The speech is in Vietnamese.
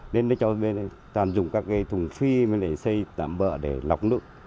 nên nó cho bên đây toàn dùng các cái thùng phi mới để xây tạm bỡ để lọc nước